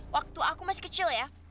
waktu aku masih kecil ya